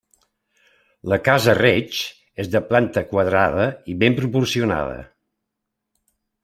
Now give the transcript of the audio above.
La casa Reig és de planta quadrada i ben proporcionada.